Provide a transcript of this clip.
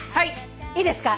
いいですか？